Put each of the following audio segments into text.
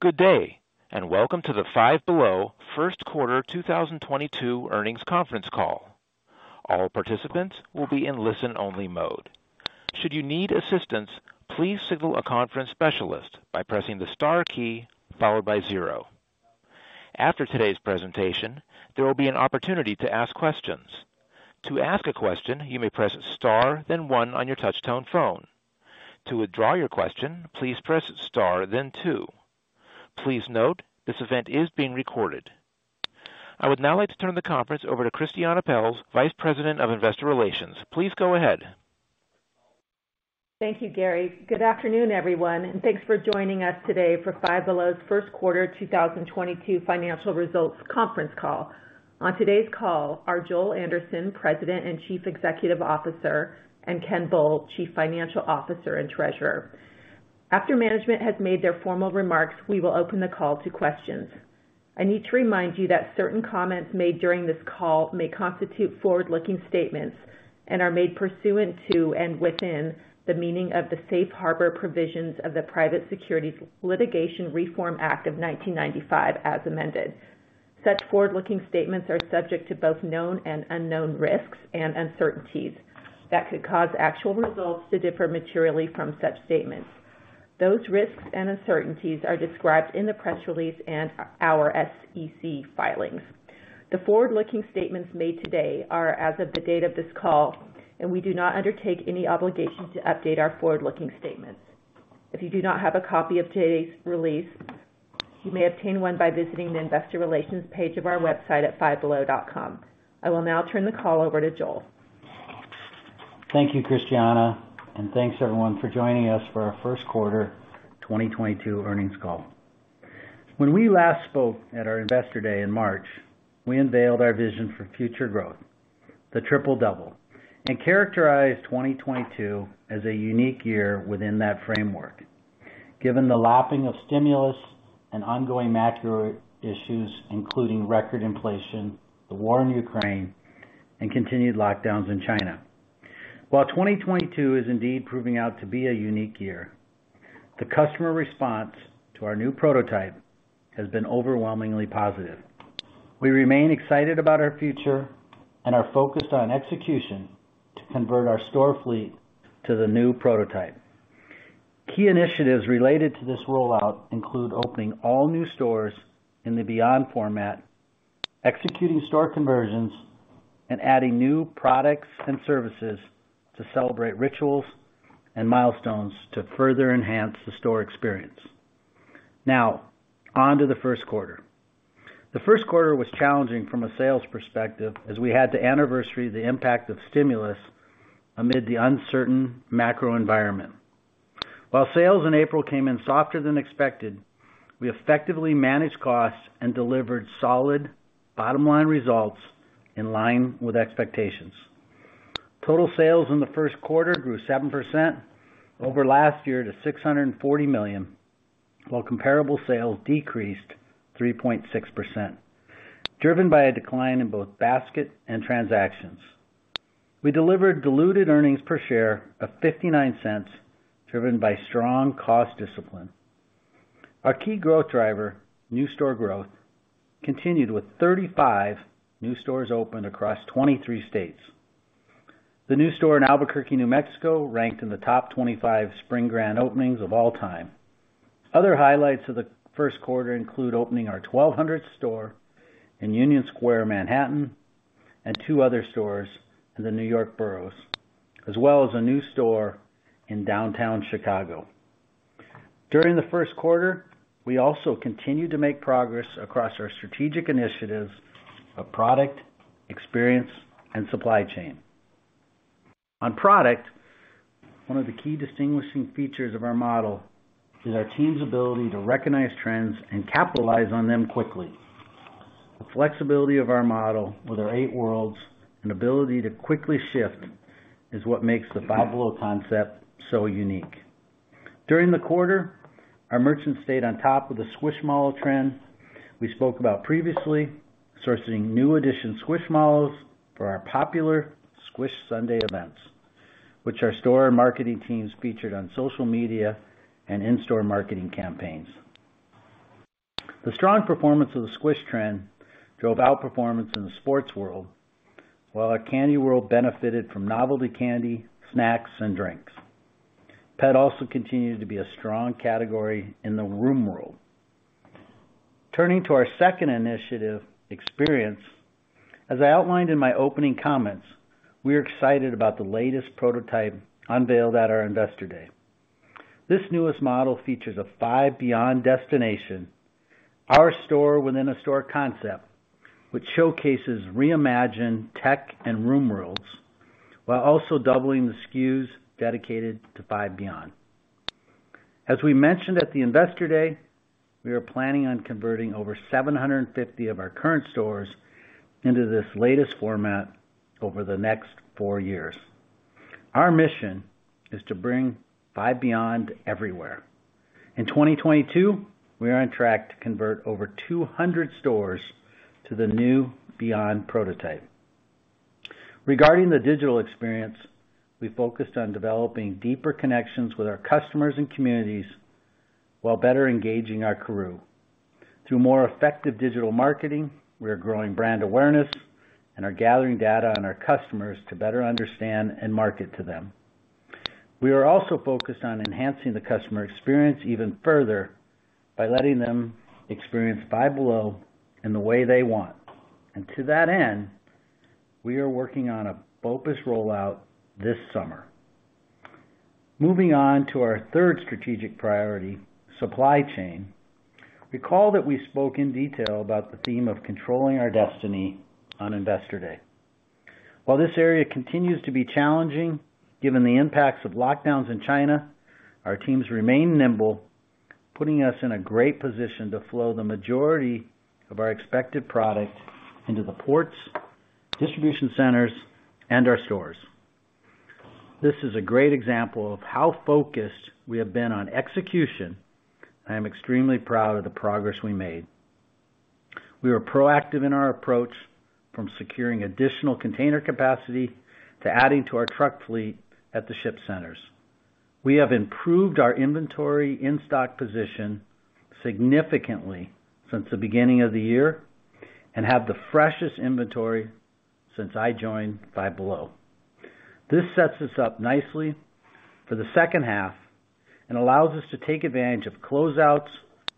Good day, and welcome to the Five Below Q1 2022 earnings conference call. All participants will be in listen only mode. Should you need assistance, please signal a conference specialist by pressing the star key followed by zero. After today's presentation, there will be an opportunity to ask questions. To ask a question, you may press star then one on your touchtone phone. To withdraw your question, please press star then two. Please note, this event is being recorded. I would now like to turn the conference over to Christiane Pelz, Vice President of Investor Relations. Please go ahead. Thank you, Gary. Good afternoon, everyone, and thanks for joining us today for Five Below's Q1 2022 financial results conference call. On today's call are Joel Anderson, President and Chief Executive Officer, and Ken Bull, Chief Financial Officer and Treasurer. After management has made their formal remarks, we will open the call to questions. I need to remind you that certain comments made during this call may constitute forward-looking statements and are made pursuant to and within the meaning of the safe harbor provisions of the Private Securities Litigation Reform Act of 1995 as amended. Such forward-looking statements are subject to both known and unknown risks and uncertainties that could cause actual results to differ materially from such statements. Those risks and uncertainties are described in the press release and our SEC filings. The forward-looking statements made today are as of the date of this call, and we do not undertake any obligation to update our forward-looking statements. If you do not have a copy of today's release, you may obtain one by visiting the investor relations page of our website at fivebelow.com. I will now turn the call over to Joel. Thank you, Christiane, and thanks everyone for joining us for our Q1 2022 earnings call. When we last spoke at our Investor Day in March, we unveiled our vision for future growth, the Triple-Double, and characterized 2022 as a unique year within that framework, given the lapping of stimulus and ongoing macro issues, including record inflation, the war in Ukraine, and continued lockdowns in China. While 2022 is indeed proving out to be a unique year, the customer response to our new prototype has been overwhelmingly positive. We remain excited about our future and are focused on execution to convert our store fleet to the new prototype. Key initiatives related to this rollout include opening all new stores in the Five Beyond format, executing store conversions, and adding new products and services to celebrate rituals and milestones to further enhance the store experience. Now, on to the Q1. The Q1 was challenging from a sales perspective as we had to anniversary the impact of stimulus amid the uncertain macro environment. While sales in April came in softer than expected, we effectively managed costs and delivered solid bottom line results in line with expectations. Total sales in the Q1 grew 7% over last year to $640 million, while comparable sales decreased 3.6%, driven by a decline in both basket and transactions. We delivered diluted earnings per share of $0.59, driven by strong cost discipline. Our key growth driver, new store growth, continued with 35 new stores opened across 23 states. The new store in Albuquerque, New Mexico, ranked in the top 25 spring grand openings of all time. Other highlights of the Q1 include opening our 1,200th store in Union Square, Manhattan, and two other stores in the New York boroughs, as well as a new store in downtown Chicago. During the Q1, we also continued to make progress across our strategic initiatives of product, experience, and supply chain. On product, one of the key distinguishing features of our model is our team's ability to recognize trends and capitalize on them quickly. The flexibility of our model with our 8 worlds and ability to quickly shift is what makes the Five Below concept so unique. During the quarter, our merchants stayed on top of the Squishmallow trend we spoke about previously, sourcing new edition Squishmallows for our popular Squish Sunday events, which our store and marketing teams featured on social media and in-store marketing campaigns. The strong performance of the Squish trend drove outperformance in the sports world, while our candy world benefited from novelty candy, snacks, and drinks. Pet also continued to be a strong category in the room world. Turning to our second initiative, experience. As I outlined in my opening comments, we are excited about the latest prototype unveiled at our Investor Day. This newest model features a Five Beyond destination, our store within a store concept, which showcases reimagined tech and room worlds while also doubling the SKUs dedicated to Five Beyond. As we mentioned at the Investor Day, we are planning on converting over 750 of our current stores into this latest format over the next four years. Our mission is to bring Five Beyond everywhere. In 2022, we are on track to convert over 200 stores to the new Five Beyond prototype. Regarding the digital experience, we focused on developing deeper connections with our customers and communities while better engaging our crew. Through more effective digital marketing, we are growing brand awareness and are gathering data on our customers to better understand and market to them. We are also focused on enhancing the customer experience even further by letting them experience Five Below in the way they want. To that end, we are working on a BOPIS rollout this summer. Moving on to our third strategic priority, supply chain. Recall that we spoke in detail about the theme of controlling our destiny on Investor Day. While this area continues to be challenging, given the impacts of lockdowns in China, our teams remain nimble, putting us in a great position to flow the majority of our expected product into the ports, distribution centers, and our stores. This is a great example of how focused we have been on execution, and I am extremely proud of the progress we made. We were proactive in our approach, from securing additional container capacity to adding to our truck fleet at the ship centers. We have improved our inventory in-stock position significantly since the beginning of the year and have the freshest inventory since I joined Five Below. This sets us up nicely for the second half and allows us to take advantage of closeouts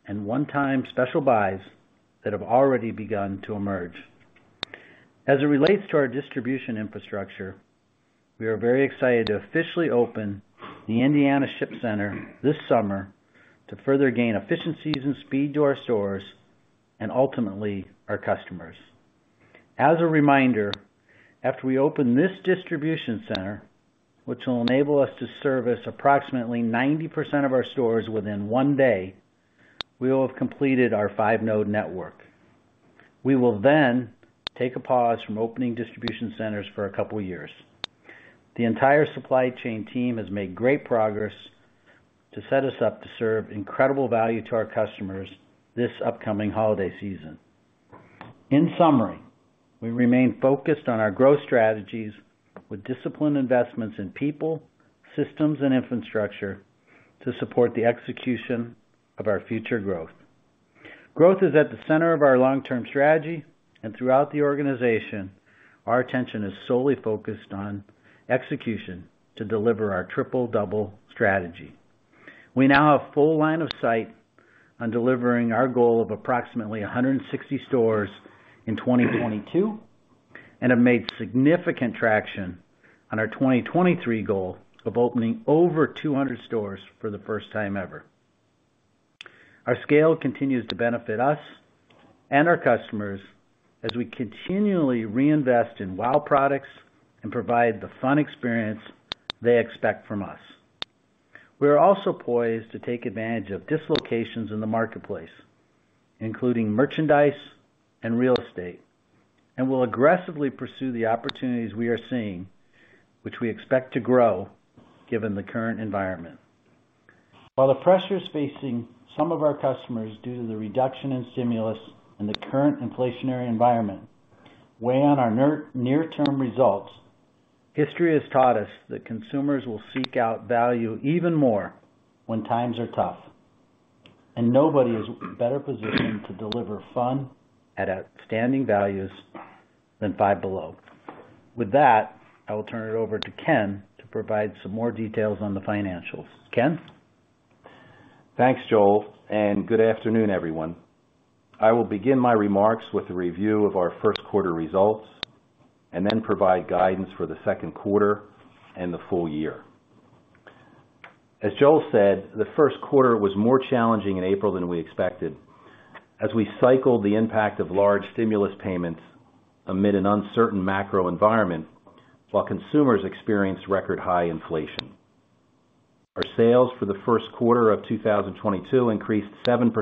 and one-time special buys that have already begun to emerge. As it relates to our distribution infrastructure, we are very excited to officially open the Indiana Shipping Center this summer to further gain efficiencies and speed to our stores and ultimately our customers. As a reminder, after we open this distribution center, which will enable us to service approximately 90% of our stores within one day, we will have completed our five-node network. We will then take a pause from opening distribution centers for a couple of years. The entire supply chain team has made great progress to set us up to serve incredible value to our customers this upcoming holiday season. In summary, we remain focused on our growth strategies with disciplined investments in people, systems, and infrastructure to support the execution of our future growth. Growth is at the center of our long-term strategy, and throughout the organization, our attention is solely focused on execution to deliver our Triple-Double strategy. We now have full line of sight on delivering our goal of approximately 160 stores in 2022 and have made significant traction on our 2023 goal of opening over 200 stores for the first time ever. Our scale continues to benefit us and our customers as we continually reinvest in wow products and provide the fun experience they expect from us. We are also poised to take advantage of dislocations in the marketplace, including merchandise and real estate, and will aggressively pursue the opportunities we are seeing, which we expect to grow given the current environment. While the pressures facing some of our customers due to the reduction in stimulus and the current inflationary environment weigh on our near-term results, history has taught us that consumers will seek out value even more when times are tough, and nobody is better positioned to deliver fun at outstanding values than Five Below. With that, I will turn it over to Ken to provide some more details on the financials. Ken? Thanks, Joel, and good afternoon, everyone. I will begin my remarks with a review of our Q1 results and then provide guidance for the Q2 and the full year. As Joel said, the Q1 was more challenging in April than we expected as we cycled the impact of large stimulus payments amid an uncertain macro environment while consumers experienced record high inflation. Our sales for the Q1 of 2022 increased 7%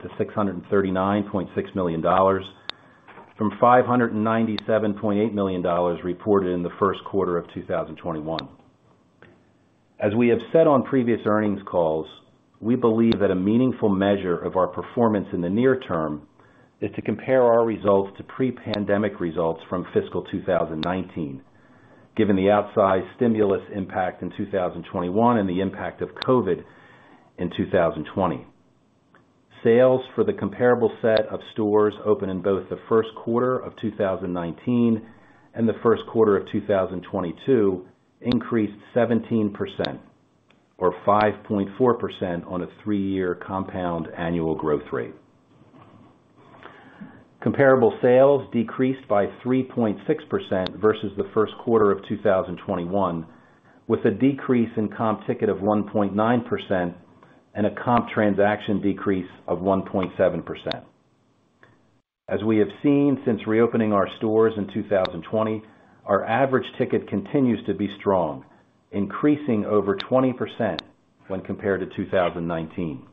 to $639.6 million from $597.8 million reported in the Q1 of 2021. As we have said on previous earnings calls, we believe that a meaningful measure of our performance in the near term is to compare our results to pre-pandemic results from fiscal 2019, given the outsized stimulus impact in 2021 and the impact of COVID in 2020. Sales for the comparable set of stores open in both the Q1 of 2019 and the Q1 of 2022 increased 17% or 5.4% on a three-year compound annual growth rate. Comparable sales decreased by 3.6% versus the Q1 of 2021, with a decrease in comp ticket of 1.9% and a comp transaction decrease of 1.7%. As we have seen since reopening our stores in 2020, our average ticket continues to be strong, increasing over 20% when compared to 2019.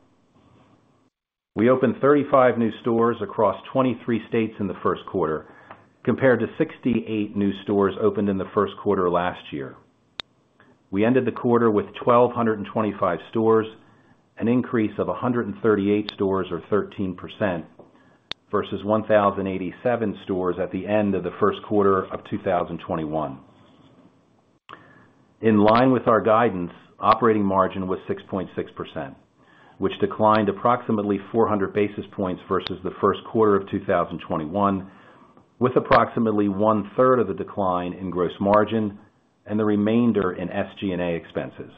We opened 35 new stores across 23 states in the Q1, compared to 68 new stores opened in the Q1 last year. We ended the quarter with 1,225 stores, an increase of 138 stores or 13% versus 1,087 stores at the end of the Q1 of 2021. In line with our guidance, operating margin was 6.6%, which declined approximately 400 basis points versus the Q1 of 2021, with approximately one-third of the decline in gross margin and the remainder in SG&A expenses.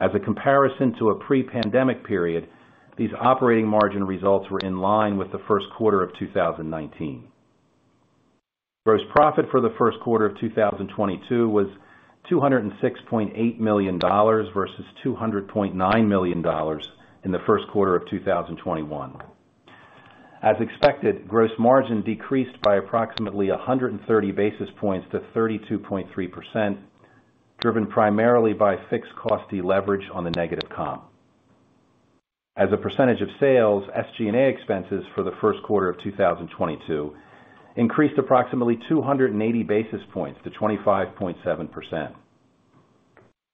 As a comparison to a pre-pandemic period, these operating margin results were in line with the Q1 of 2019. Gross profit for the Q1 of 2022 was $206.8 million versus $200.9 million in the Q1 of 2021. As expected, gross margin decreased by approximately 130 basis points to 32.3%, driven primarily by fixed cost deleverage on the negative comp. As a percentage of sales, SG&A expenses for the Q1 of 2022 increased approximately 280 basis points to 25.7%.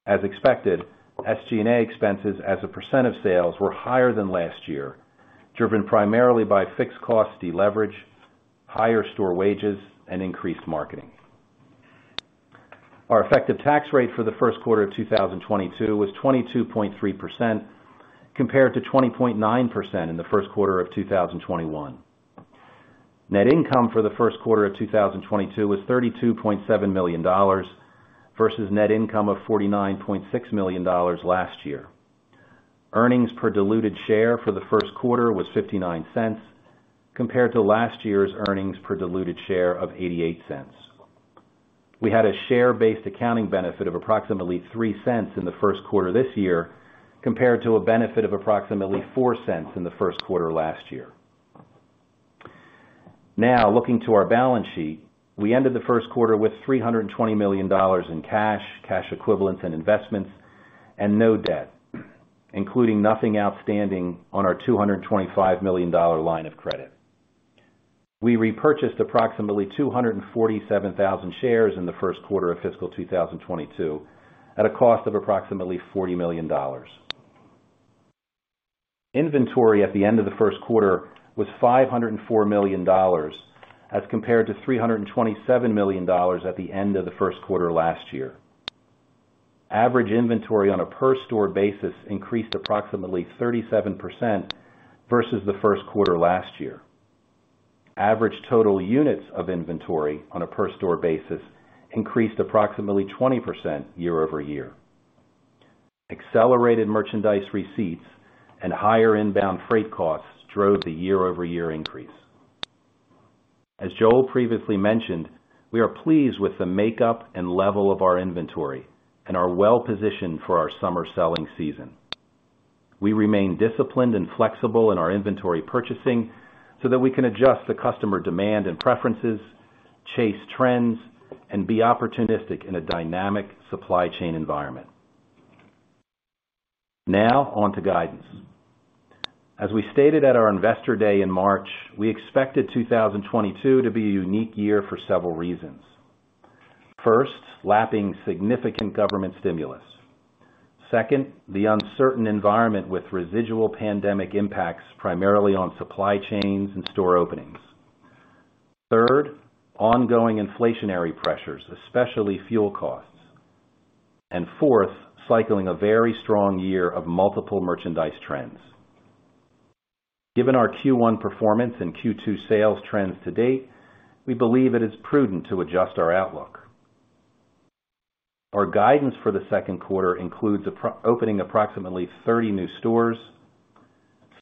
As expected, SG&A expenses as a percent of sales were higher than last year, driven primarily by fixed cost deleverage, higher store wages, and increased marketing. Our effective tax rate for the Q1 of 2022 was 22.3% compared to 20.9% in the Q1 of 2021. Net income for the Q1 of 2022 was $32.7 million versus net income of $49.6 million last year. Earnings per diluted share for the Q1 was $0.59 compared to last year's earnings per diluted share of $0.88. We had a share-based accounting benefit of approximately $0.03 in the Q1 this year compared to a benefit of approximately $0.04 in the Q1 last year. Now, looking to our balance sheet, we ended the Q1 with $320 million in cash equivalents, and investments, and no debt, including nothing outstanding on our $225 million line of credit. We repurchased approximately 247,000 shares in the Q1 of fiscal 2022 at a cost of approximately $40 million. Inventory at the end of the Q1 was $504 million as compared to $327 million at the end of the Q1 last year. Average inventory on a per store basis increased approximately 37% versus the Q1 last year. Average total units of inventory on a per store basis increased approximately 20% year-over-year. Accelerated merchandise receipts and higher inbound freight costs drove the year-over-year increase. As Joel previously mentioned, we are pleased with the makeup and level of our inventory and are well-positioned for our summer selling season. We remain disciplined and flexible in our inventory purchasing so that we can adjust to customer demand and preferences, chase trends, and be opportunistic in a dynamic supply chain environment. Now on to guidance. As we stated at our Investor Day in March, we expected 2022 to be a unique year for several reasons. First, lapping significant government stimulus. Second, the uncertain environment with residual pandemic impacts primarily on supply chains and store openings. Third, ongoing inflationary pressures, especially fuel costs. Fourth, cycling a very strong year of multiple merchandise trends. Given our Q1 performance and Q2 sales trends to date, we believe it is prudent to adjust our outlook. Our guidance for the Q2 includes opening approximately 30 new stores,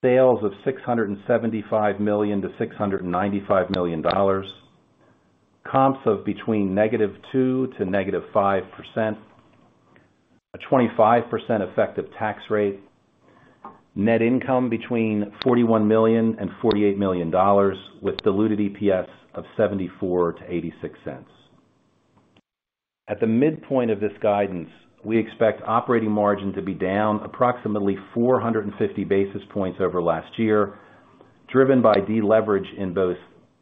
sales of $675 million to $695 million, comps of between -2% to -5%, a 25% effective tax rate, net income between $41 million and $48 million with diluted EPS of $0.74-$0.86. At the midpoint of this guidance, we expect operating margin to be down approximately 450 basis points over last year, driven by deleverage in both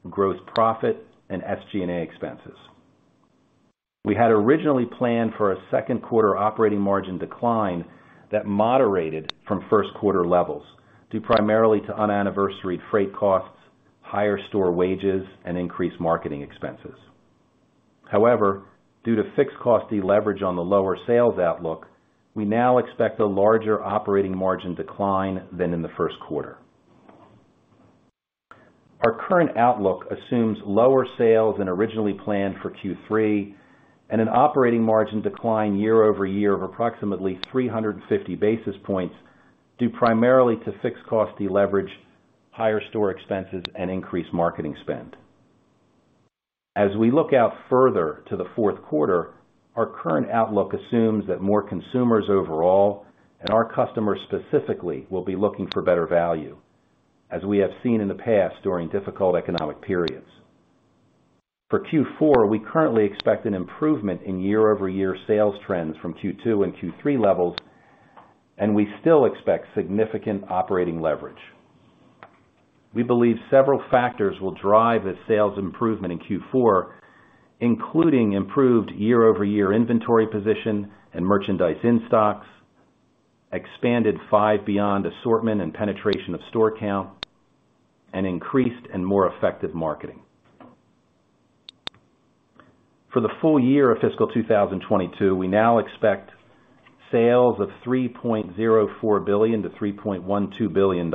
gross profit and SG&A expenses. We had originally planned for a Q2 operating margin decline that moderated from Q1 levels due primarily to un-anniversaried freight costs, higher store wages, and increased marketing expenses. However, due to fixed cost deleverage on the lower sales outlook, we now expect a larger operating margin decline than in the Q1. Our current outlook assumes lower sales than originally planned for Q3 and an operating margin decline year-over-year of approximately 350 basis points, due primarily to fixed cost deleverage, higher store expenses, and increased marketing spend. As we look out further to the Q4, our current outlook assumes that more consumers overall and our customers specifically will be looking for better value, as we have seen in the past during difficult economic periods. For Q4, we currently expect an improvement in year-over-year sales trends from Q2 and Q3 levels, and we still expect significant operating leverage. We believe several factors will drive the sales improvement in Q4, including improved year-over-year inventory position and merchandise in stocks, expanded Five Beyond assortment and penetration of store count, and increased and more effective marketing. For the full year of fiscal 2022, we now expect sales of $3.04 billion to $3.12 billion,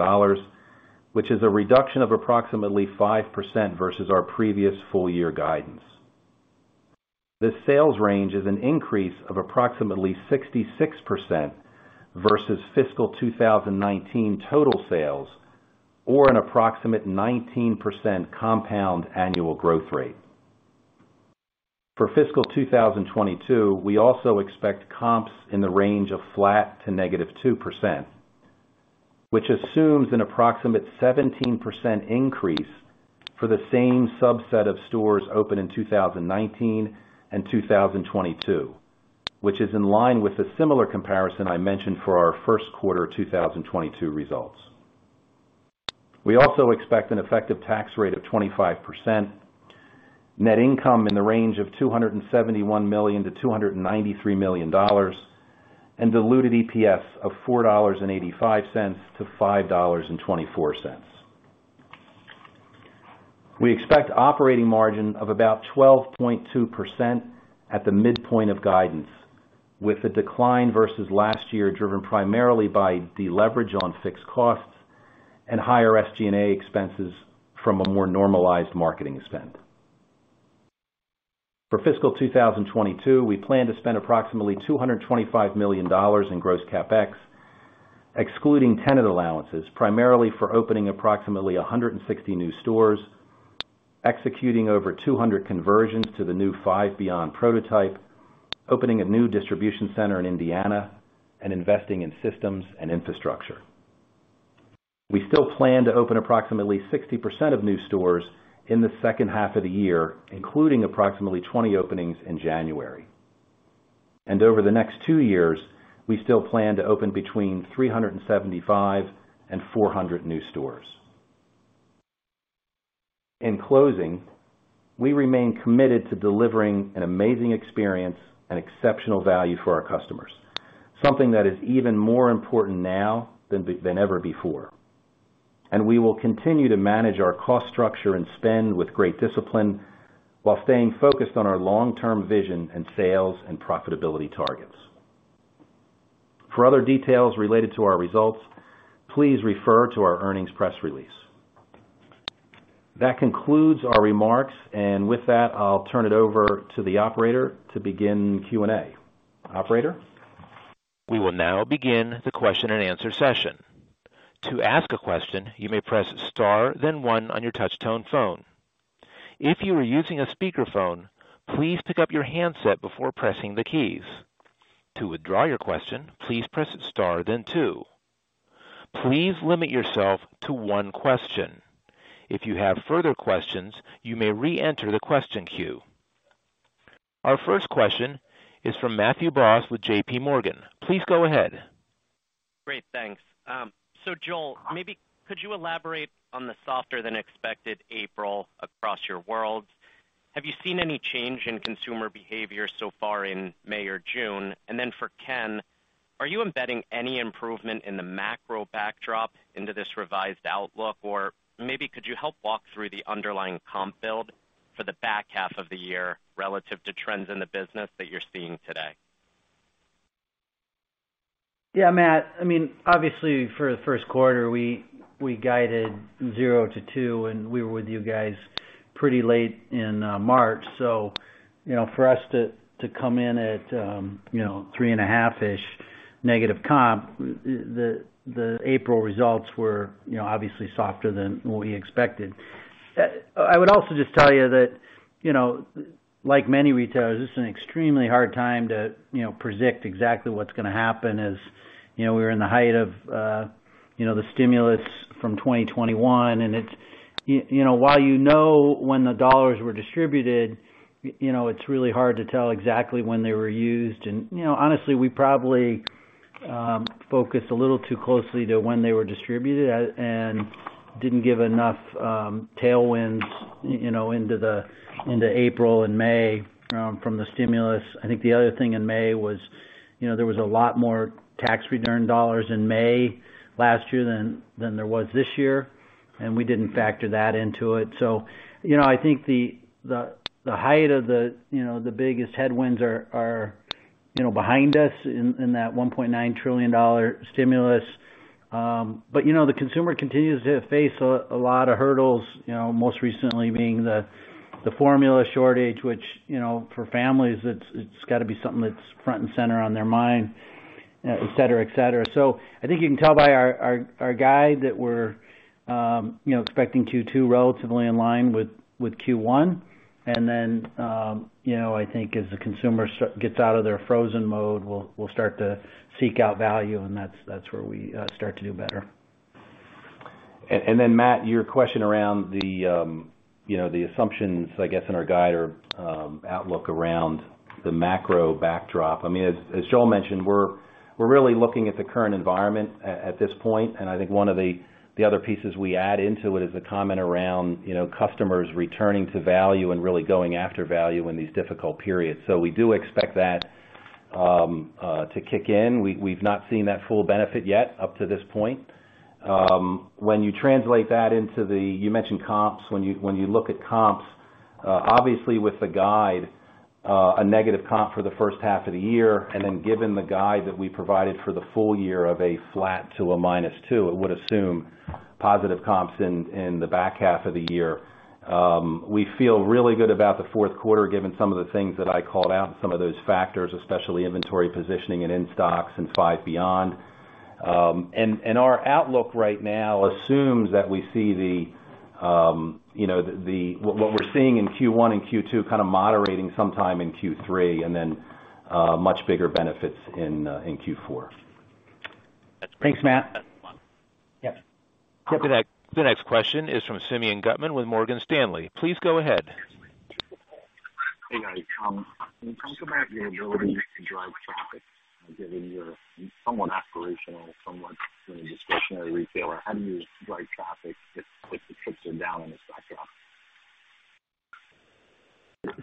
which is a reduction of approximately 5% versus our previous full year guidance. This sales range is an increase of approximately 66% versus fiscal 2019 total sales or an approximate 19% compound annual growth rate. For fiscal 2022, we also expect comps in the range of flat to -2%, which assumes an approximate 17% increase for the same subset of stores open in 2019 and 2022, which is in line with a similar comparison I mentioned for our Q1 2022 results. We expect an effective tax rate of 25%, net income in the range of $271 million-$293 million, and diluted EPS of $4.85-$5.24. We expect operating margin of about 12.2% at the midpoint of guidance, with the decline versus last year driven primarily by the leverage on fixed costs and higher SG&A expenses from a more normalized marketing spend. For fiscal 2022, we plan to spend approximately $225 million in gross CapEx, excluding tenant allowances, primarily for opening approximately 160 new stores, executing over 200 conversions to the new Five Beyond prototype, opening a new distribution center in Indiana, and investing in systems and infrastructure. We still plan to open approximately 60% of new stores in the second half of the year, including approximately 20 openings in January. Over the next two years, we still plan to open between 375 and 400 new stores. In closing, we remain committed to delivering an amazing experience and exceptional value for our customers, something that is even more important now than ever before. We will continue to manage our cost structure and spend with great discipline while staying focused on our long-term vision and sales and profitability targets. For other details related to our results, please refer to our earnings press release. That concludes our remarks, and with that, I'll turn it over to the operator to begin Q&A. Operator? We will now begin the question-and-answer session. To ask a question, you may press star, then one on your touch tone phone. If you are using a speakerphone, please pick up your handset before pressing the keys. To withdraw your question, please press star then two. Please limit yourself to one question. If you have further questions, you may reenter the question queue. Our first question is from Matthew Boss with JPMorgan. Please go ahead. Great. Thanks. Joel, maybe could you elaborate on the softer than expected April across your world? Have you seen any change in consumer behavior so far in May or June? For Ken, are you embedding any improvement in the macro backdrop into this revised outlook? Maybe could you help walk through the underlying comp build for the back half of the year relative to trends in the business that you're seeing today? Yeah, Matt, I mean, obviously for the Q1, we guided 0%-2%, and we were with you guys pretty late in March. You know, for us to come in at -3.5%-ish comp, the April results were, you know, obviously softer than what we expected. I would also just tell you that, you know, like many retailers, this is an extremely hard time to, you know, predict exactly what's gonna happen as, you know, we were in the height of the stimulus from 2021. You know, while you know when the dollars were distributed, you know, it's really hard to tell exactly when they were used. You know, honestly, we probably focused a little too closely to when they were distributed and didn't give enough tailwinds, you know, into April and May from the stimulus. I think the other thing in May was, you know, there was a lot more tax return dollars in May last year than there was this year, and we didn't factor that into it. You know, I think the height of the biggest headwinds are behind us in that $1.9 trillion stimulus. You know, the consumer continues to face a lot of hurdles, you know, most recently being the formula shortage, which, you know, for families, it's gotta be something that's front and center on their mind, et cetera, et cetera. I think you can tell by our guide that we're, you know, expecting Q2 relatively in line with Q1. Then I think as the consumer gets out of their frozen mode, we'll start to seek out value, and that's where we start to do better. Then Matt, your question around the assumptions, I guess, in our guide or outlook around the macro backdrop. I mean, as Joel mentioned, we're really looking at the current environment at this point. I think one of the other pieces we add into it is the comment around, you know, customers returning to value and really going after value in these difficult periods. We do expect that to kick in. We've not seen that full benefit yet up to this point. When you translate that into the comps you mentioned. When you look at comps, obviously, with the guide, a negative comp for the first half of the year, and then given the guide that we provided for the full year of flat to -2%, it would assume positive comps in the back half of the year. We feel really good about the Q4 given some of the things that I called out and some of those factors, especially inventory positioning and in-stocks in Five Beyond. Our outlook right now assumes that we see what we're seeing in Q1 and Q2 kind of moderating sometime in Q3 and then much bigger benefits in Q4. Thanks, Matt. Yeah. The next question is from Simeon Gutman with Morgan Stanley. Please go ahead. Hey, guys. Can you talk about your ability to drive traffic, given you're somewhat aspirational, somewhat discretionary retailer, how do you drive traffic if, like, the trips are down in the background?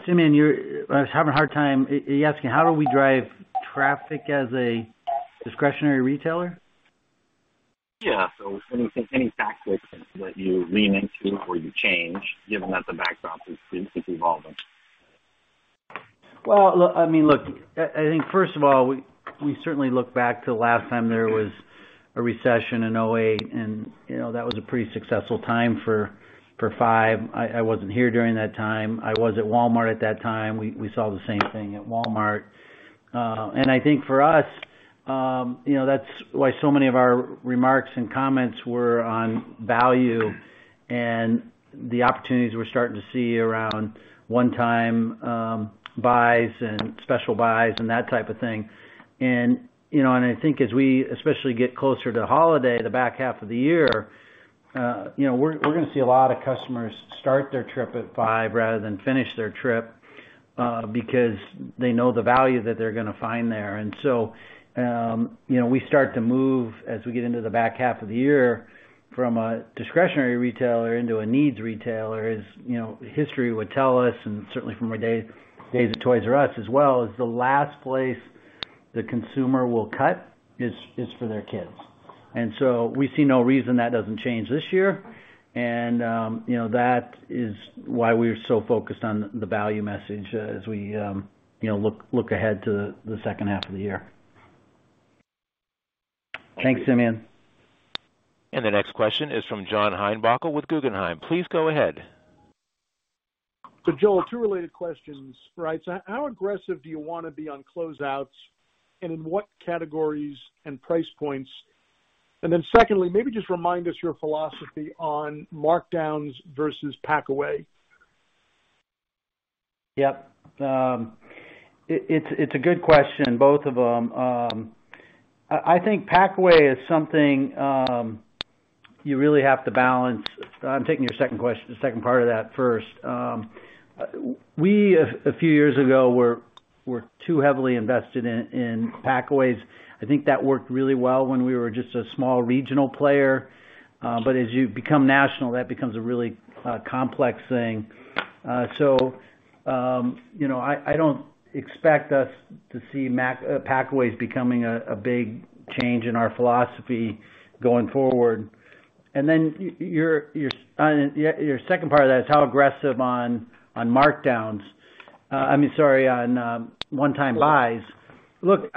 Simeon, I was having a hard time. Are you asking how do we drive traffic as a discretionary retailer? Yeah. Any tactics that you lean into or you change given that the backdrop is evolving? Well, I mean, I think first of all, we certainly look back to the last time there was a recession in 2008 and, you know, that was a pretty successful time for Five. I wasn't here during that time. I was at Walmart at that time. We saw the same thing at Walmart. I think for us, you know, that's why so many of our remarks and comments were on value and the opportunities we're starting to see around one-time buys and special buys and that type of thing. I think as we especially get closer to holiday, the back half of the year, you know, we're gonna see a lot of customers start their trip at Five rather than finish their trip, because they know the value that they're gonna find there. So, you know, we start to move as we get into the back half of the year from a discretionary retailer into a needs retailer. History would tell us, and certainly from our days at Toys "R" Us as well, the last place the consumer will cut is for their kids. We see no reason that doesn't change this year. You know, that is why we're so focused on the value message as we look ahead to the second half of the year. Thanks, Simeon. The next question is from John Heinbockel with Guggenheim. Please go ahead. Joel, two related questions, right? How aggressive do you wanna be on closeouts, and in what categories and price points? Then secondly, maybe just remind us your philosophy on markdowns versus pack away. Yep. It's a good question, both of them. I think pack away is something you really have to balance. I'm taking your second part of that first. A few years ago we were too heavily invested in packaways. I think that worked really well when we were just a small regional player. As you become national, that becomes a really complex thing. You know, I don't expect us to see packaways becoming a big change in our philosophy going forward. Your second part of that, how aggressive on markdowns. I mean, sorry, on one-time buys. Look,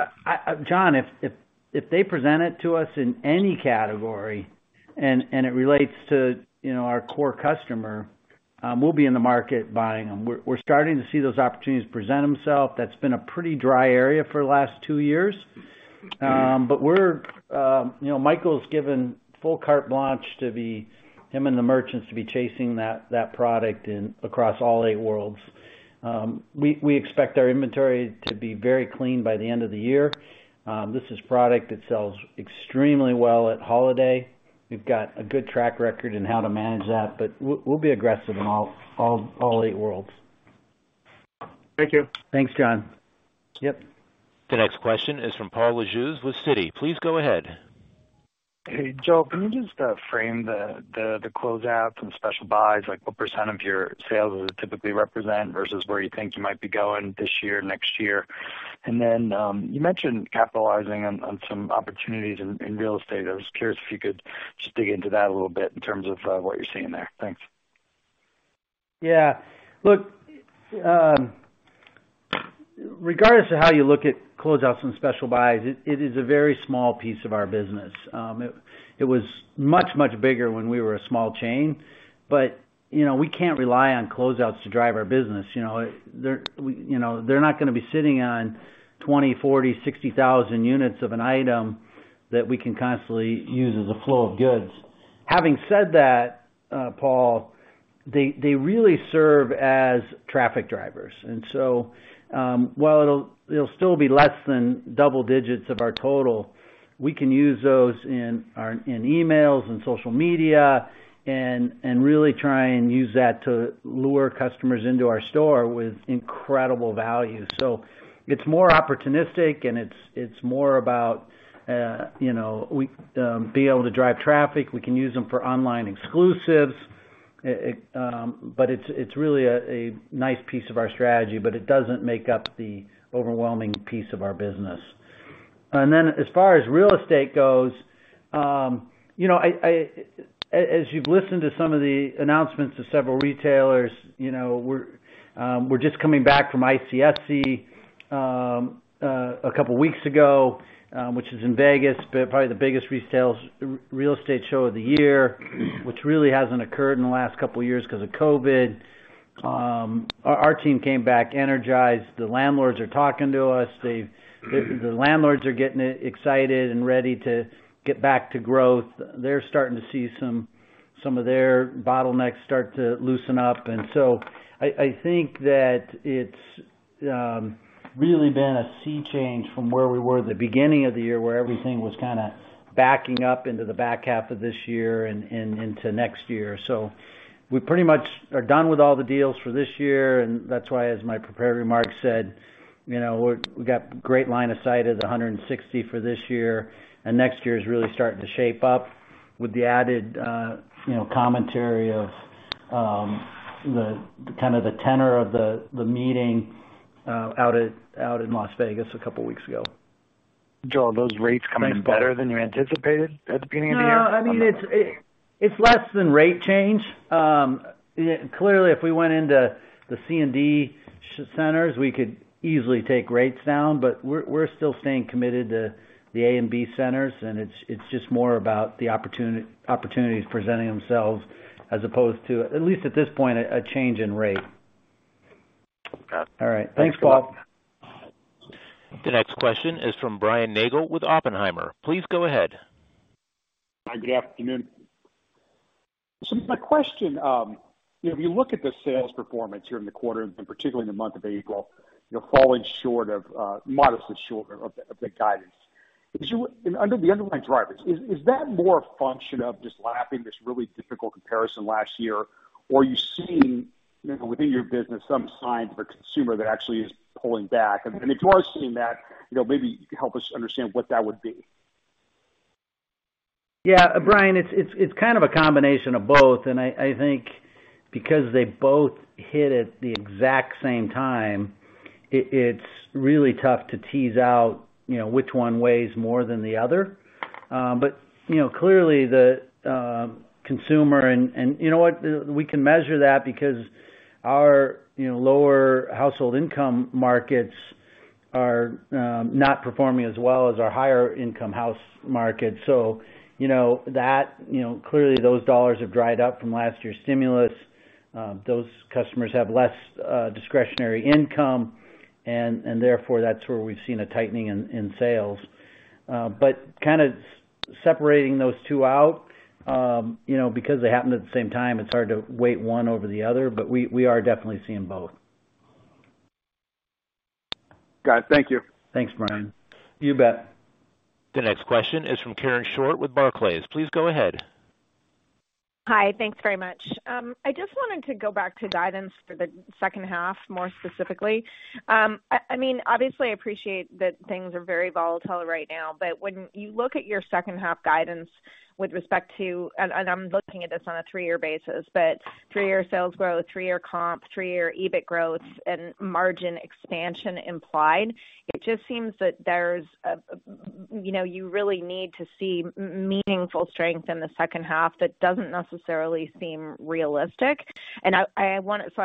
John, if they present it to us in any category and it relates to, you know, our core customer, we'll be in the market buying them. We're starting to see those opportunities present themselves. That's been a pretty dry area for the last two years. We're, you know, Michael's given full carte blanche to him and the merchants to be chasing that product across all eight worlds. We expect our inventory to be very clean by the end of the year. This is product that sells extremely well at holiday. We've got a good track record in how to manage that, but we'll be aggressive in all eight worlds. Thank you. Thanks, John. Yep. The next question is from Paul Lejuez with Citi. Please go ahead. Hey, Joel, can you just frame the closeouts and special buys, like what percent of your sales does it typically represent versus where you think you might be going this year, next year? You mentioned capitalizing on some opportunities in real estate. I was curious if you could just dig into that a little bit in terms of what you're seeing there. Thanks. Yeah. Look, regardless of how you look at closeouts and special buys, it is a very small piece of our business. It was much bigger when we were a small chain. You know, we can't rely on closeouts to drive our business. You know, they're not gonna be sitting on 20,000, 40,000, 60,000 units of an item that we can constantly use as a flow of goods. Having said that, Paul, they really serve as traffic drivers. While it'll still be less than double digits of our total, we can use those in our emails and social media and really try and use that to lure customers into our store with incredible value. It's more opportunistic and it's more about you know, be able to drive traffic. We can use them for online exclusives. But it's really a nice piece of our strategy, but it doesn't make up the overwhelming piece of our business. As far as real estate goes, you know, as you've listened to some of the announcements of several retailers, you know, we're just coming back from ICSC a couple weeks ago, which is in Vegas, but probably the biggest real estate show of the year, which really hasn't occurred in the last couple of years 'cause of COVID. Our team came back energized. The landlords are talking to us. The landlords are getting excited and ready to get back to growth. They're starting to see some of their bottlenecks start to loosen up. I think that it's really been a sea change from where we were at the beginning of the year, where everything was kinda backing up into the back half of this year and into next year. We pretty much are done with all the deals for this year, and that's why, as my prepared remarks said, you know, we got great line of sight of the 160 for this year, and next year is really starting to shape up with the added, you know, commentary of the kind of the tenor of the meeting out in Las Vegas a couple weeks ago. Joel, are those rates coming in better than you anticipated at the beginning of the year? No, I mean, it's less of a rate change. Clearly, if we went into the C and D centers, we could easily take rates down, but we're still staying committed to the A and B centers, and it's just more about the opportunities presenting themselves as opposed to, at least at this point, a change in rate. Got it. All right. Thanks, Bob. The next question is from Brian Nagel with Oppenheimer. Please go ahead. Hi, good afternoon. My question, you know, if you look at the sales performance here in the quarter and particularly in the month of April, you're modestly short of the guidance. Under the underlying drivers, is that more a function of just lapping this really difficult comparison last year? Or are you seeing, you know, within your business some signs of a consumer that actually is pulling back? If you are seeing that, you know, maybe you could help us understand what that would be. Yeah, Brian, it's kind of a combination of both. I think because they both hit at the exact same time, it's really tough to tease out, you know, which one weighs more than the other. You know, clearly the consumer and, you know what? We can measure that because our, you know, lower household income markets are not performing as well as our higher income household markets. You know, that, you know, clearly those dollars have dried up from last year's stimulus. Those customers have less discretionary income, and therefore, that's where we've seen a tightening in sales. Kind of separating those two out, you know, because they happened at the same time, it's hard to weigh one over the other, but we are definitely seeing both. Got it. Thank you. Thanks, Brian. You bet. The next question is from Karen Short with Barclays. Please go ahead. Hi. Thanks very much. I just wanted to go back to guidance for the second half, more specifically. I mean, obviously, I appreciate that things are very volatile right now, but when you look at your second half guidance with respect to, and I'm looking at this on a three-year basis, but three-year sales growth, three-year comp, three-year EBIT growth and margin expansion implied, it just seems that, you know, you really need to see meaningful strength in the second half that doesn't necessarily seem realistic. I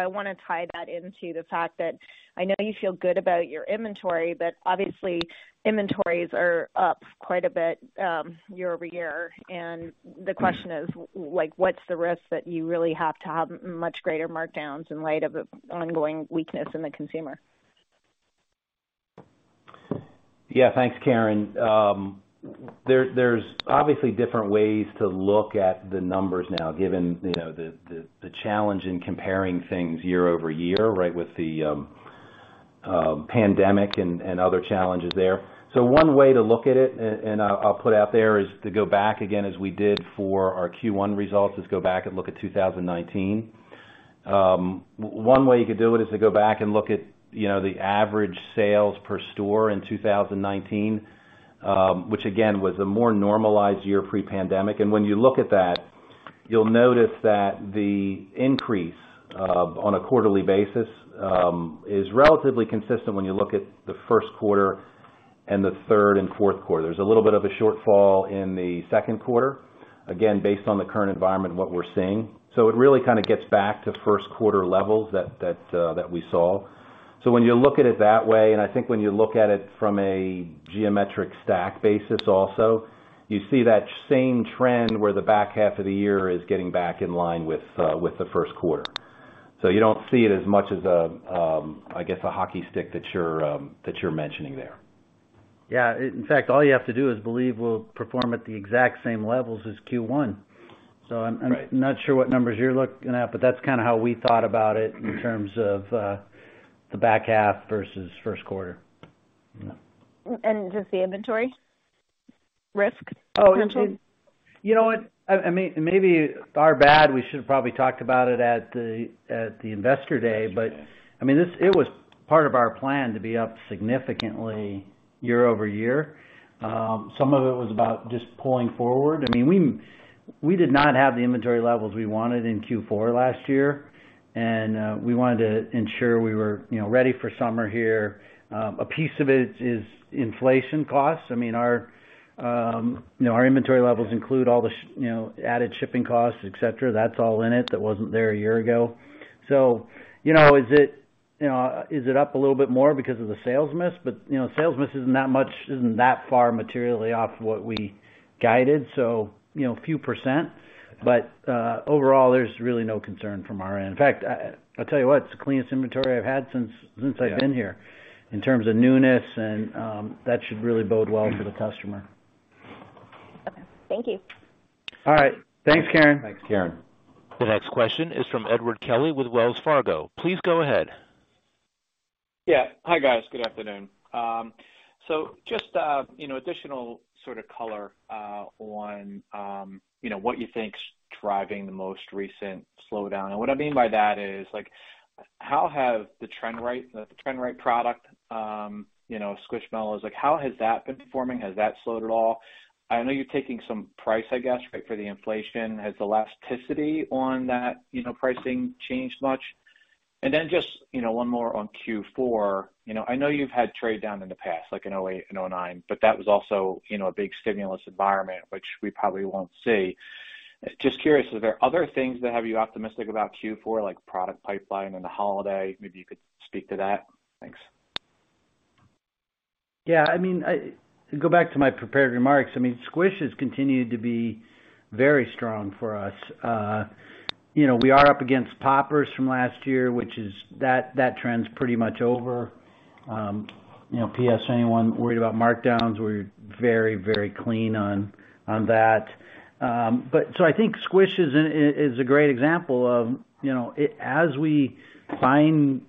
wanna tie that into the fact that I know you feel good about your inventory, but obviously inventories are up quite a bit, year-over-year. The question is like, what's the risk that you really have to have much greater markdowns in light of the ongoing weakness in the consumer? Yeah. Thanks, Karen. There's obviously different ways to look at the numbers now, given, you know, the challenge in comparing things year-over-year, right, with the pandemic and other challenges there. One way to look at it, and I'll put out there, is to go back again as we did for our Q1 results and look at 2019. One way you could do it is to go back and look at, you know, the average sales per store in 2019, which again was a more normalized year pre-pandemic. When you look at that, you'll notice that the increase on a quarterly basis is relatively consistent when you look at the Q1 and the third and Q4. There's a little bit of a shortfall in the Q2, again, based on the current environment and what we're seeing. It really kind of gets back to Q1 levels that we saw. When you look at it that way, and I think when you look at it from a geometric stack basis also, you see that same trend where the back half of the year is getting back in line with the Q1. You don't see it as much as a, I guess, a hockey stick that you're mentioning there. Yeah, in fact, all you have to do is believe we'll perform at the exact same levels as Q1. Right. I'm not sure what numbers you're looking at, but that's kind of how we thought about it in terms of, the back half versus Q1. Yeah. Just the inventory risk potential? Oh, you know what? I mean, maybe our bad, we should have probably talked about it at the Investor Day, but I mean, this. It was part of our plan to be up significantly year-over-year. Some of it was about just pulling forward. I mean, we did not have the inventory levels we wanted in Q4 last year, and we wanted to ensure we were, you know, ready for summer here. A piece of it is inflation costs. I mean, our, you know, our inventory levels include all the, you know, added shipping costs, et cetera. That's all in it. That wasn't there a year ago. You know, is it, you know, is it up a little bit more because of the sales miss? You know, sales miss isn't that much, isn't that far materially off what we guided. You know, a few percent, but overall, there's really no concern from our end. In fact, I'll tell you what, it's the cleanest inventory I've had since I've been here in terms of newness and that should really bode well for the customer. Okay, thank you. All right. Thanks, Karen. Thanks, Karen. The next question is from Edward Kelly with Wells Fargo. Please go ahead. Yeah. Hi, guys. Good afternoon. So just, you know, additional sort of color on, you know, what you think is driving the most recent slowdown. What I mean by that is, like, how have the trend right product, you know, Squishmallows, like, how has that been performing? Has that slowed at all? I know you're taking some price, I guess, for the inflation. Has elasticity on that, you know, pricing changed much? Just, you know, one more on Q4. You know, I know you've had trade down in the past, like in 2008 and 2009, but that was also, you know, a big stimulus environment, which we probably won't see. Just curious, are there other things that have you optimistic about Q4, like product pipeline and the holiday? Maybe you could speak to that. Thanks. I mean, go back to my prepared remarks. I mean, Squish has continued to be very strong for us. You know, we are up against Pop Its from last year, which is that trend's pretty much over. P.S., anyone worried about markdowns, we're very clean on that. I think Squish is a great example of, you know, as we find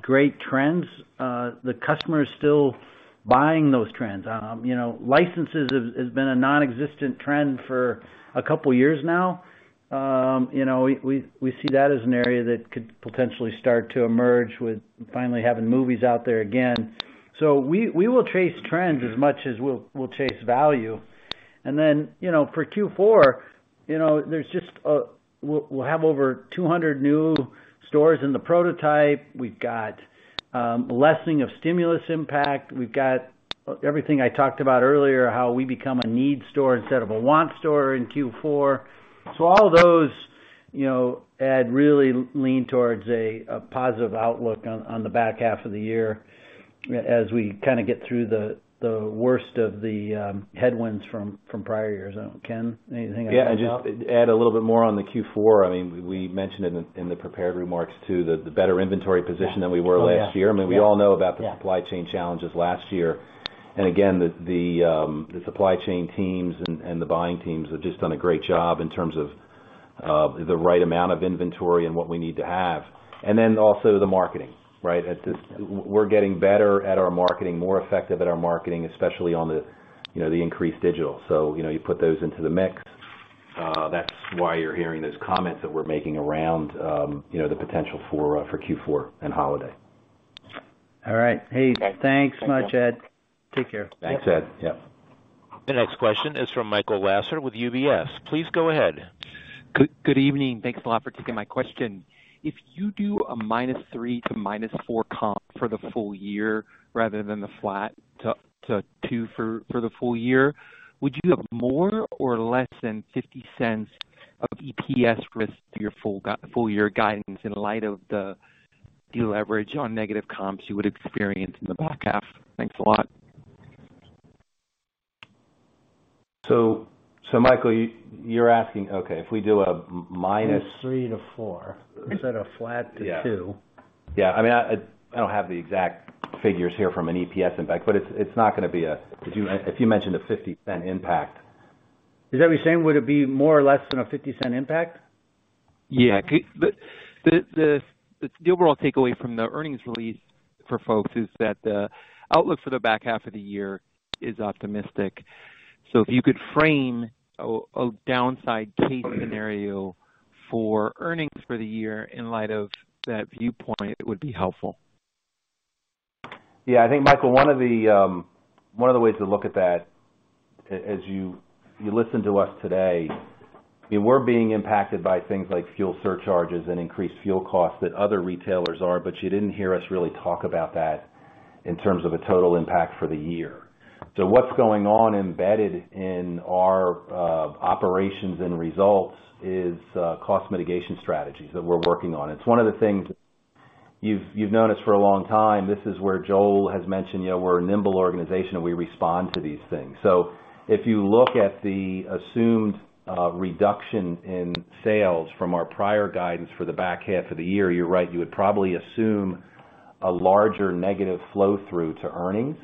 great trends, the customer is still buying those trends. You know, licenses has been a nonexistent trend for a couple years now. You know, we see that as an area that could potentially start to emerge with finally having movies out there again. We will chase trends as much as we'll chase value. You know, for Q4, you know, we'll have over 200 new stores in the prototype. We've got lessening of stimulus impact. We've got everything I talked about earlier, how we become a need store instead of a want store in Q4. All those, you know, add really lean towards a positive outlook on the back half of the year as we kinda get through the worst of the headwinds from prior years. Ken, anything I can add? Yeah, just add a little bit more on the Q4. I mean, we mentioned in the prepared remarks too, the better inventory position than we were last year. Oh, yeah. I mean, we all know about the supply chain challenges last year. Again, the supply chain teams and the buying teams have just done a great job in terms of the right amount of inventory and what we need to have. Then also the marketing, right? We're getting better at our marketing, more effective at our marketing, especially on the increased digital. You put those into the mix, that's why you're hearing those comments that we're making around the potential for Q4 and holiday. All right. Hey, thanks much, Ed. Take care. Thanks, Ed. Yep. The next question is from Michael Lasser with UBS. Please go ahead. Good evening. Thanks a lot for taking my question. If you do a -3% to -4% comp for the full year rather than the flat to 2% for the full year, would you have more or less than $0.50 of EPS risk to your full year guidance in light of the deleverage on negative comps you would experience in the back half? Thanks a lot. Michael, you're asking. Okay, if we do a minus- 3%-4% instead of flat to 2%. Yeah. I mean, I don't have the exact figures here from an EPS impact, but it's not gonna be a-- if you mentioned a $0.50 impact. Is that what you're saying? Would it be more or less than a $0.50 impact? The overall takeaway from the earnings release for folks is that the outlook for the back half of the year is optimistic. If you could frame a downside case scenario for earnings for the year in light of that viewpoint, it would be helpful. Yeah. I think, Michael, one of the ways to look at that, as you listen to us today, we're being impacted by things like fuel surcharges and increased fuel costs that other retailers are, but you didn't hear us really talk about that in terms of a total impact for the year. What's going on embedded in our operations and results is cost mitigation strategies that we're working on. It's one of the things you've known us for a long time. This is where Joel has mentioned, you know, we're a nimble organization, and we respond to these things. If you look at the assumed reduction in sales from our prior guidance for the back half of the year, you're right, you would probably assume a larger negative flow through to earnings.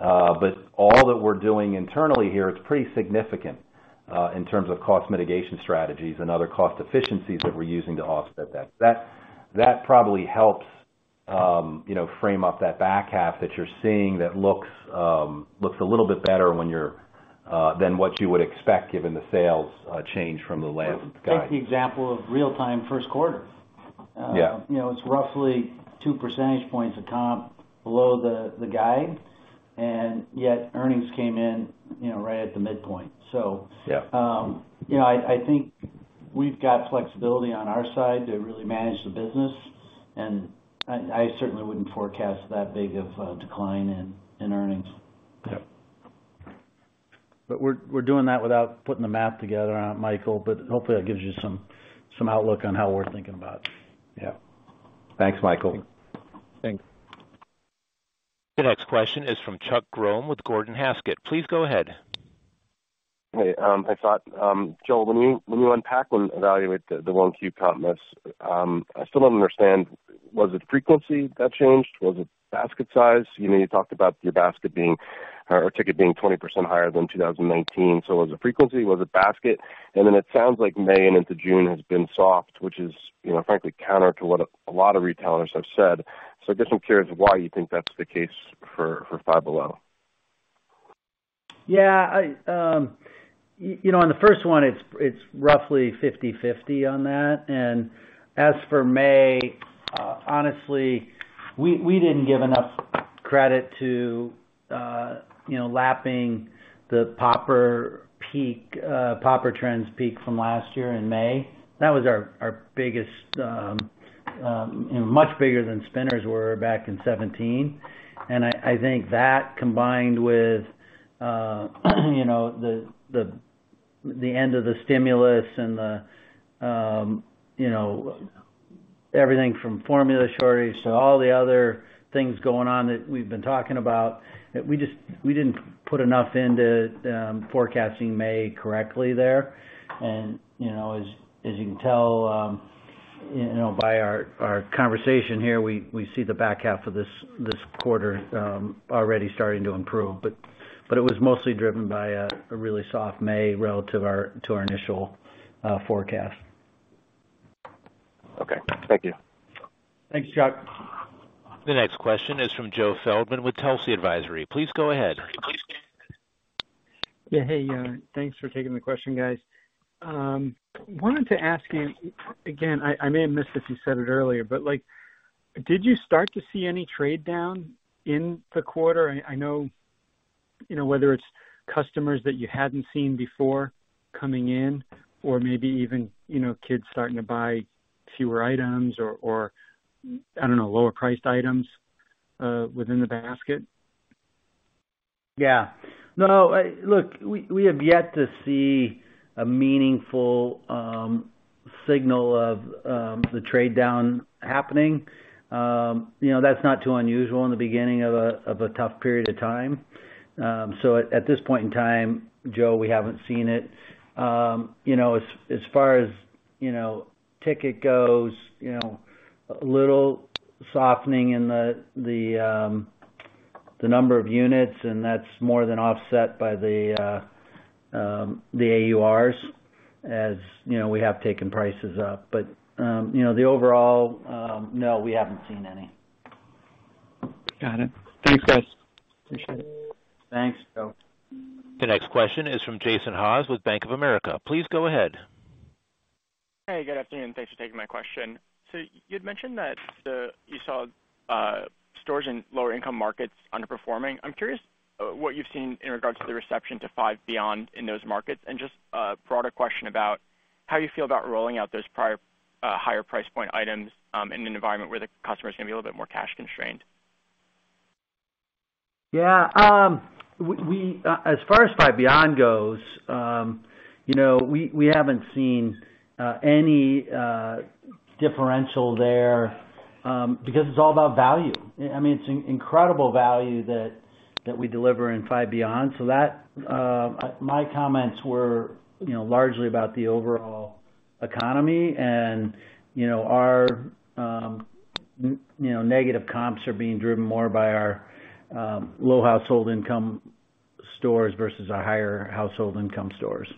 All that we're doing internally here is pretty significant in terms of cost mitigation strategies and other cost efficiencies that we're using to offset that. That probably helps, you know, frame up that back half that you're seeing that looks a little bit better than what you would expect given the sales change from the last guide. Take the example of real-time Q1. Yeah. You know, it's roughly 2 percentage points a comp below the guide, and yet earnings came in, you know, right at the midpoint. Yeah. You know, I think we've got flexibility on our side to really manage the business, and I certainly wouldn't forecast that big of a decline in earnings. Yeah. We're doing that without putting the math together, Michael, but hopefully that gives you some outlook on how we're thinking about it. Yeah. Thanks, Michael. Thanks. The next question is from Charles Grom with Gordon Haskett. Please go ahead. Hey, Ken, Joel, when you unpack and evaluate the 1Q comp miss, I still don't understand, was it frequency that changed? Was it basket size? You know, you talked about your basket being or ticket being 20% higher than 2019. Was it frequency? Was it basket? Then it sounds like May and into June has been soft, which is, you know, frankly counter to what a lot of retailers have said. I'm just curious why you think that's the case for Five Below. Yeah. You know, on the first one, it's roughly 50/50 on that. As for May, honestly, we didn't give enough credit to, you know, lapping the Pop Its peak, Pop Its trends peak from last year in May. That was our biggest, much bigger than spinners were back in 2017. I think that combined with, you know, the end of the stimulus and, you know, everything from formula shortage to all the other things going on that we've been talking about. We didn't put enough into forecasting May correctly there. You know, as you can tell, you know, by our conversation here, we see the back half of this quarter already starting to improve. It was mostly driven by a really soft May relative to our initial forecast. Okay, thank you. Thanks, Charles. The next question is from Joe Feldman with Telsey Advisory. Please go ahead. Yeah. Hey, thanks for taking the question, guys. Wanted to ask you, again, I may have missed if you said it earlier, but, like, did you start to see any trade down in the quarter? I know, you know, whether it's customers that you hadn't seen before coming in or maybe even, you know, kids starting to buy fewer items or, I don't know, lower priced items within the basket. Yeah. No, look, we have yet to see a meaningful signal of the trade down happening. You know, that's not too unusual in the beginning of a tough period of time. At this point in time, Joe, we haven't seen it. You know, as far as ticket goes, you know, a little softening in the number of units, and that's more than offset by the AURs, as you know, we have taken prices up. You know, the overall, no, we haven't seen any. Got it. Thanks, guys. Appreciate it. Thanks, Joseph. The next question is from Jason Haas with Bank of America. Please go ahead. Hey, good afternoon. Thanks for taking my question. You'd mentioned that you saw stores in lower income markets underperforming. I'm curious what you've seen in regards to the reception to Five Beyond in those markets and just a broader question about how you feel about rolling out those prior higher price point items in an environment where the customer is gonna be a little bit more cash constrained. Yeah. As far as Five Beyond goes, you know, we haven't seen any differential there, because it's all about value. I mean, it's an incredible value that we deliver in Five Beyond. That, my comments were, you know, largely about the overall economy and, you know, our, you know, negative comps are being driven more by our, low household income stores versus our higher household income stores.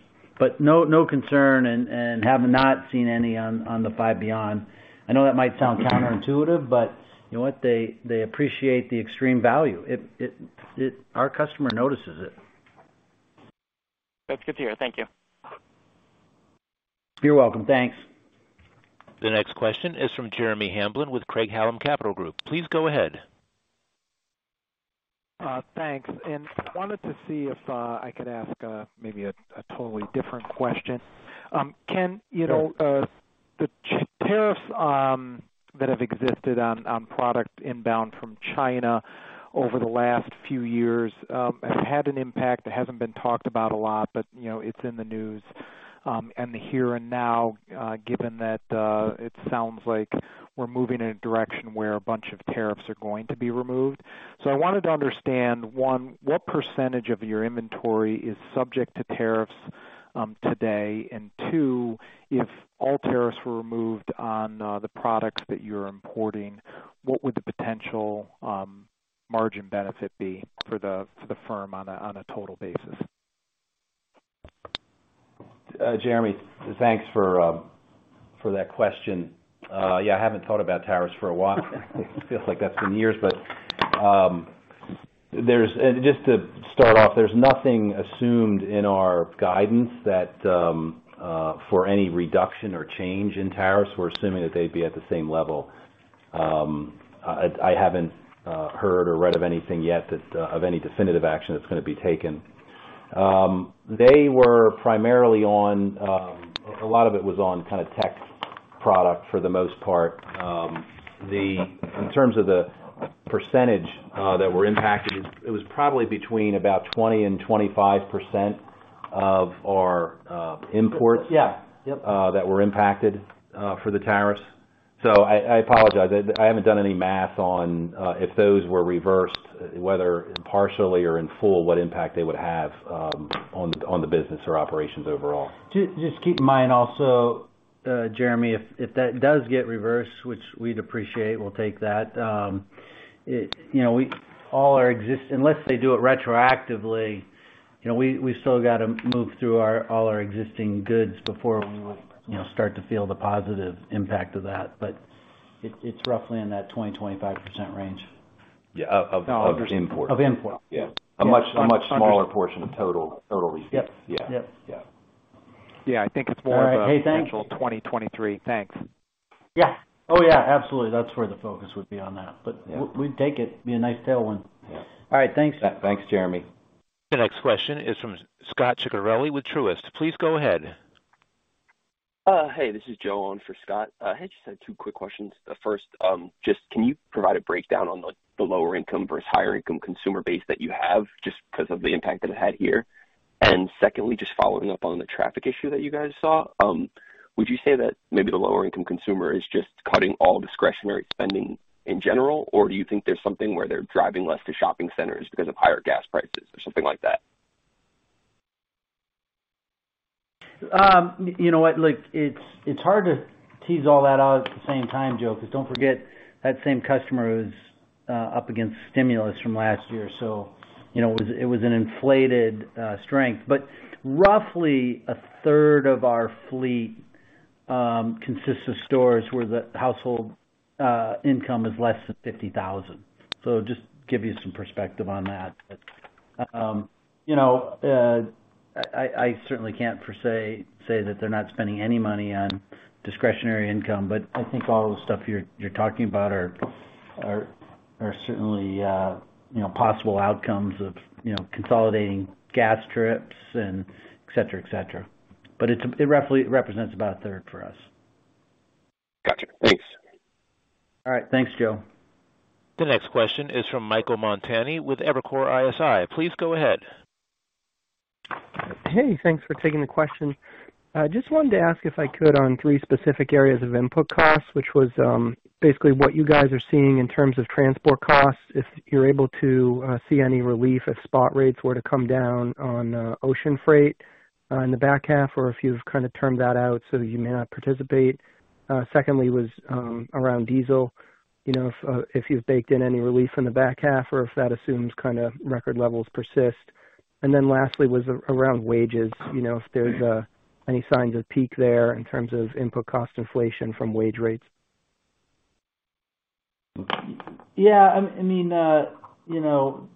No concern and have not seen any on the Five Beyond. I know that might sound counterintuitive, but you know what? They appreciate the extreme value. It, our customer notices it. That's good to hear. Thank you. You're welcome. Thanks. The next question is from Jeremy Hamblin with Craig-Hallum Capital Group. Please go ahead. Thanks. Wanted to see if I could ask maybe a totally different question. Ken, you know- Sure. The China tariffs that have existed on product inbound from China over the last few years have had an impact that hasn't been talked about a lot, but, you know, it's in the news. The here and now, given that, it sounds like we're moving in a direction where a bunch of tariffs are going to be removed. I wanted to understand, one, what percentage of your inventory is subject to tariffs today. And two, if all tariffs were removed on the products that you're importing, what would the potential margin benefit be for the firm on a total basis? Jeremy, thanks for that question. Yeah, I haven't thought about tariffs for a while. Feels like that's been years. Just to start off, there's nothing assumed in our guidance that for any reduction or change in tariffs, we're assuming that they'd be at the same level. I haven't heard or read of anything yet that of any definitive action that's gonna be taken. A lot of it was on kinda tech product for the most part. In terms of the percentage that were impacted, it was probably between about 20% and 25% of our imports. Yeah. Yep. That were impacted for the tariffs. I apologize. I haven't done any math on if those were reversed, whether partially or in full, what impact they would have on the business or operations overall. Just keep in mind also, Jeremy, if that does get reversed, which we'd appreciate, we'll take that. Unless they do it retroactively, you know, we still gotta move through all our existing goods before we, you know, start to feel the positive impact of that. It's roughly in that 20%-25% range. Yeah, of imports. Of imports. Yeah. A much smaller portion of total receipts. Yep. Yeah. Yep. Yeah. Yeah. I think it's more of a. All right. Hey, thanks. 2023. Thanks. Yeah. Oh, yeah, absolutely. That's where the focus would be on that. We'd take it. Be a nice tailwind. Yeah. All right, thanks. Thanks, Jeremy. The next question is from Scot Ciccarelli with Truist. Please go ahead. Hey, this is Joe on for Scott. I just had two quick questions. The first, just can you provide a breakdown on the lower income versus higher income consumer base that you have, just 'cause of the impact that it had here? Secondly, just following up on the traffic issue that you guys saw, would you say that maybe the lower income consumer is just cutting all discretionary spending in general? Or do you think there's something where they're driving less to shopping centers because of higher gas prices or something like that? You know what? Look, it's hard to tease all that out at the same time, Joe, 'cause don't forget that same customer is up against stimulus from last year, so you know, it was an inflated strength. But roughly a third of our fleet consists of stores where the household income is less than $50,000. So just to give you some perspective on that. You know, I certainly can't per se say that they're not spending any money on discretionary income, but I think all of the stuff you're talking about are certainly you know, possible outcomes of you know, consolidating gas trips and et cetera, et cetera. But it roughly represents about a third for us. Gotcha. Thanks. All right. Thanks, Joe. The next question is from Michael Montani with Evercore ISI. Please go ahead. Hey, thanks for taking the question. I just wanted to ask, if I could, on three specific areas of input costs, which was basically what you guys are seeing in terms of transport costs, if you're able to see any relief if spot rates were to come down on ocean freight in the back half, or if you've kinda termed that out so that you may not participate. Secondly was around diesel, you know, if if you've baked in any relief in the back half or if that assumes kinda record levels persist. Then lastly was around wages, you know, if there's any signs of peak there in terms of input cost inflation from wage rates. I mean, you know,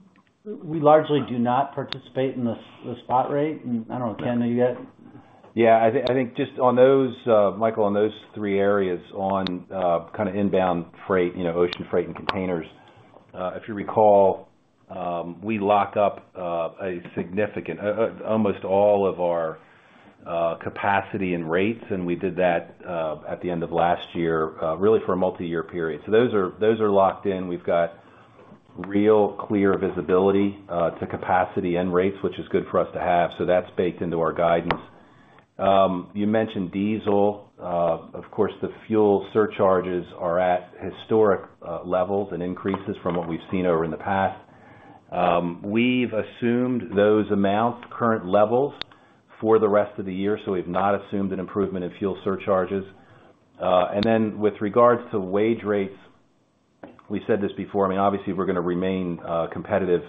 we largely do not participate in the spot rate. I don't know, Ken, are you there? Yeah. I think just on those, Michael, on those three areas on kinda inbound freight, you know, ocean freight and containers, if you recall, we lock up a significant almost all of our capacity and rates, and we did that at the end of last year really for a multiyear period. Those are locked in. We've got real clear visibility to capacity and rates, which is good for us to have, so that's baked into our guidance. You mentioned diesel. Of course, the fuel surcharges are at historic levels and increases from what we've seen over in the past. We've assumed those amounts, current levels for the rest of the year, so we've not assumed an improvement in fuel surcharges. With regards to wage rates, we said this before, I mean, obviously, we're gonna remain competitive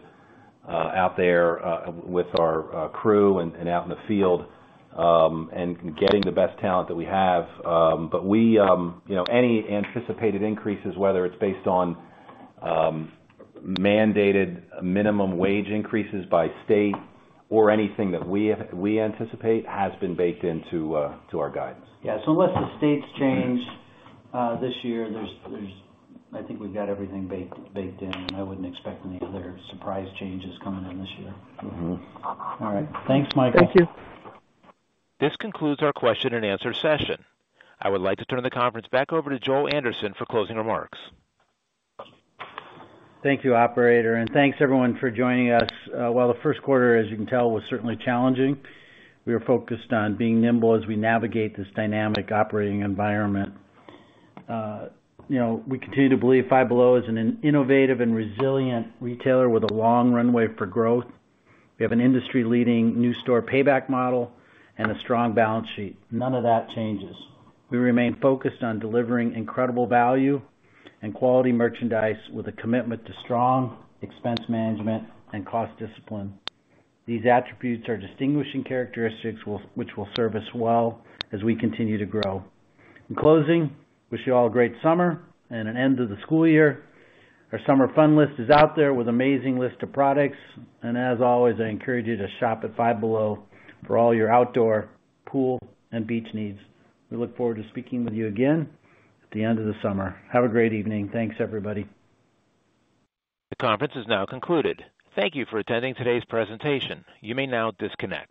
out there with our crew and out in the field and getting the best talent that we have. But we, you know, any anticipated increases, whether it's based on mandated minimum wage increases by state or anything that we anticipate, has been baked into our guidance. Yeah. Unless the states change this year, I think we've got everything baked in, and I wouldn't expect any other surprise changes coming in this year. Mm-hmm. All right. Thanks, Michael. Thank you. This concludes our question and answer session. I would like to turn the conference back over to Joel Anderson for closing remarks. Thank you, operator, and thanks everyone for joining us. While the Q1, as you can tell, was certainly challenging, we are focused on being nimble as we navigate this dynamic operating environment. You know, we continue to believe Five Below is an innovative and resilient retailer with a long runway for growth. We have an industry-leading new store payback model and a strong balance sheet. None of that changes. We remain focused on delivering incredible value and quality merchandise with a commitment to strong expense management and cost discipline. These attributes are distinguishing characteristics which will serve us well as we continue to grow. In closing, wish you all a great summer and an end to the school year. Our summer fun list is out there with amazing list of products. As always, I encourage you to shop at Five Below for all your outdoor, pool, and beach needs. We look forward to speaking with you again at the end of the summer. Have a great evening. Thanks, everybody. The conference is now concluded. Thank you for attending today's presentation. You may now disconnect.